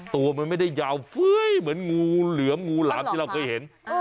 ตัวมันไม่ได้ยาวเฟ้ยเหมือนงูเหลือมงูหลามที่เราเคยเห็น